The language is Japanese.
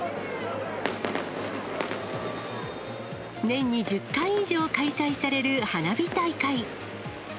年に１０回以上開催される花火大会。